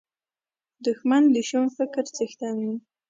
دښمن د شوم فکر څښتن وي